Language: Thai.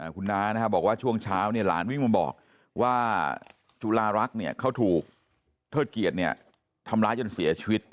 คุณน้าบอกว่าช่วงเช้าหลานวิ่งมาบอกว่าจุฬารักษ์เขาถูกเทิดเกียรติทำร้ายจนเสียชีวิต